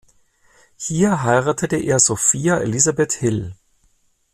Hier heiratete er Sophia Elizabeth Hill.